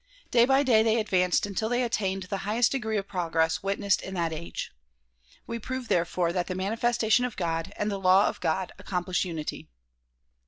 Day by day they advanced until they attained the highest degree of progress witnessed in that age. We prove therefore that the manifestation of God and the law of God accomplish unity.